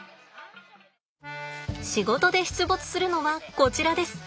仕事で出没するのはこちらです。